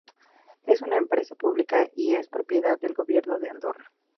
Es una empresa pública y es propiedad del Gobierno de Andorra.